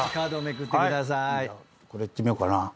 これいってみようかな。